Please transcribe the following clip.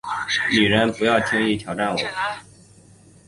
女人，不要轻易挑战我